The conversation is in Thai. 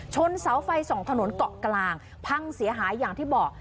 ชนเสาไฟสองถนนเกาะกลางพังเสียหายอย่างที่บอก